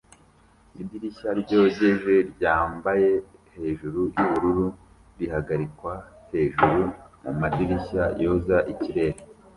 Idirishya ryogeje ryambaye hejuru yubururu rihagarikwa hejuru mumadirishya yoza ikirere